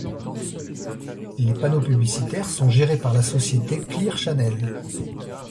Les panneaux publicitaires sont gérés par la société Clear Channel.